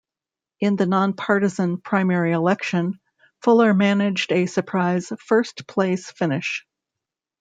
In the non-partisan primary election, Fuller managed a surprise first-place finish.